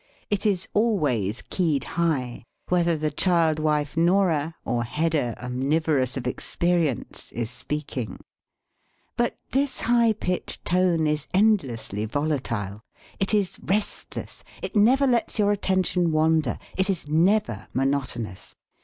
It is always keyed high, whether the child wife Nora, or Hedda. 52 STUDY IN INFLECTION omnivorous of experience, is speaking. But this high pitched tone is endlessly volatile. It is restless. It never lets your attention wander. It is never monotonous.